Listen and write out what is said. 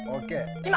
今！